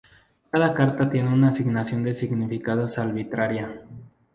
Cada carta tiene una asignación de significados arbitraria.